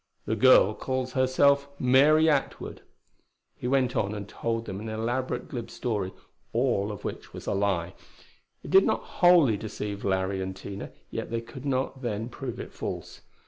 The girl calls herself Mary Atwood." He went on and told them an elaborate, glib story, all of which was a lie. It did not wholly deceive Larry and Tina, yet they could not then prove it false.